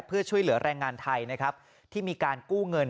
เพื่อช่วยเหลือแรงงานไทยนะครับที่มีการกู้เงิน